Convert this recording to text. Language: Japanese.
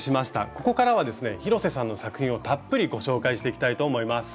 ここからはですね広瀬さんの作品をたっぷりご紹介していきたいと思います。